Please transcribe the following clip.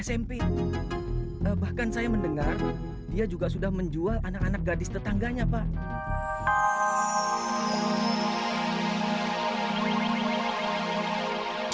smp bahkan saya mendengar dia juga sudah menjual anak anak gadis tetangganya pak